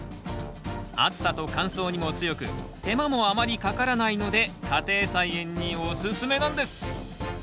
暑さと乾燥にも強く手間もあまりかからないので家庭菜園におすすめなんです。